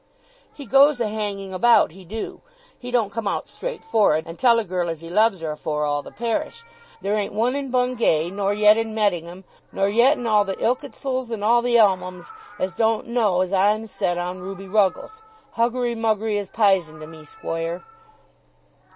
"He goes a hanging about; he do. He don't come out straight forrard, and tell a girl as he loves her afore all the parish. There ain't one in Bungay, nor yet in Mettingham, nor yet in all the Ilketsals and all the Elmhams, as don't know as I'm set on Ruby Ruggles. Huggery Muggery is pi'son to me, squoire."